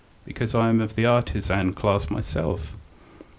"Because I am of the artisan class myself!"